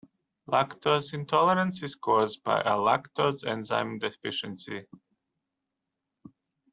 Lactose intolerance is caused by a lactase enzyme deficiency.